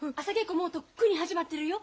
もうとっくに始まってるよ。